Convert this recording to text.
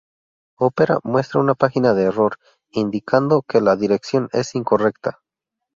Opera muestra una página de error, indicando que la dirección es incorrecta.